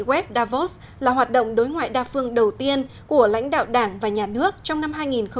web davos là hoạt động đối ngoại đa phương đầu tiên của lãnh đạo đảng và nhà nước trong năm hai nghìn một mươi chín